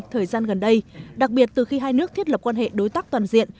thời gian gần đây đặc biệt từ khi hai nước thiết lập quan hệ đối tác toàn diện